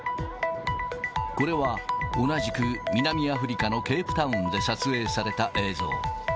これは同じく南アフリカのケープタウンで撮影された映像。